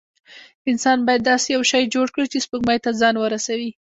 انسان به داسې یو شی جوړ کړي چې سپوږمۍ ته ځان ورسوي.